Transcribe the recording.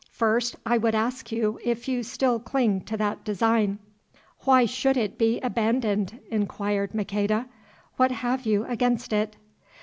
First, I would ask you if you still cling to that design?" "Why should it be abandoned?" inquired Maqueda. "What have you against it?"